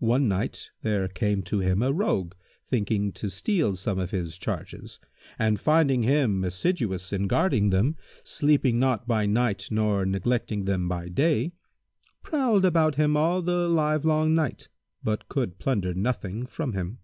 One night, there came to him a Rogue thinking to steal some of his charges and, finding him assiduous in guarding them, sleeping not by night nor neglecting them by day, prowled about him all the livelong night, but could plunder nothing from him.